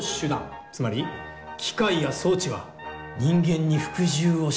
つまり機械や装置は「人間に服従を強いる」と書いた。